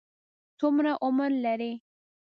څومره عمر لري؟